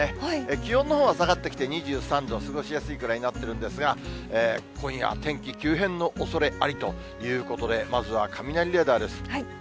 気温のほうは下がってきて２３度、過ごしやすいくらいになっているんですが、今夜、天気急変のおそれありということで、まずは雷レーダーです。